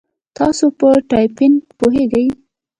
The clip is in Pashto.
تاسو په ټایپینګ پوهیږئ؟